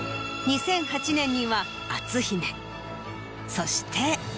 そして。